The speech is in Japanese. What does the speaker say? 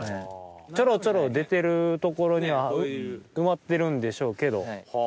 ちょろちょろ出てる所には埋まってるんでしょうけど。